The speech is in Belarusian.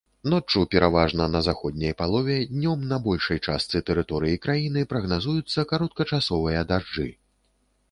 Ноччу пераважна на заходняй палове, днём на большай частцы тэрыторыі краіны прагназуюцца кароткачасовыя дажджы.